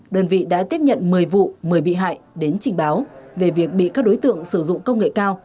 đơn vị đã tiếp nhận một mươi vụ một mươi bị hại đến trình báo về việc bị các đối tượng sử dụng công nghệ cao